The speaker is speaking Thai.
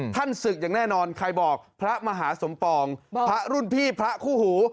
ศึกอย่างแน่นอนใครบอกพระมหาสมปองพระรุ่นพี่พระคู่หู